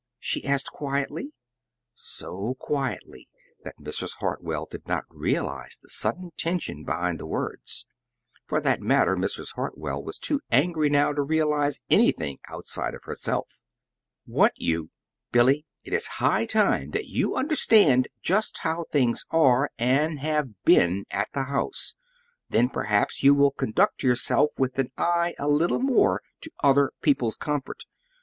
she asked quietly, so quietly that Mrs. Hartwell did not realize the sudden tension behind the words. For that matter, Mrs. Hartwell was too angry now to realize anything outside of herself. "Want you! Billy, it is high time that you understand just how things are, and have been, at the house; then perhaps you will conduct yourself with an eye a little more to other people's comfort.